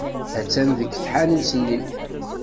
Attan deg tḥanut-nni.